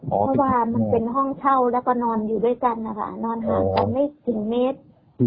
เพราะว่ามันเป็นห้องเช่าแล้วก็นอนอยู่ด้วยกันนะคะนอนห่างกันไม่ถึงเมตร